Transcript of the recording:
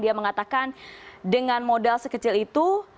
dia mengatakan dengan modal sekecil itu